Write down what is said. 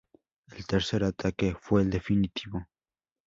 El tercer ataque fue el definitivo.